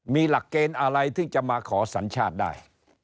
มีหลักเกณฑ์อะไรที่จะมาขอสัญชาติได้